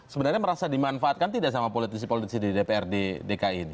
sebenarnya merasa dimanfaatkan tidak sama politisi politisi di dprd dki ini